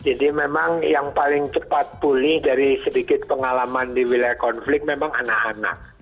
memang yang paling cepat pulih dari sedikit pengalaman di wilayah konflik memang anak anak